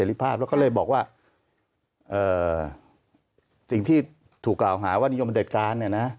แล้วก็เลยบอกว่าสิ่งที่ถูกกล่าวหาว่านิยมประเด็จการ